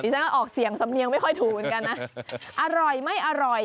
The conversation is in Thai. ฉันก็ออกเสียงสำเนียงไม่ค่อยถูกเหมือนกันนะอร่อยไม่อร่อย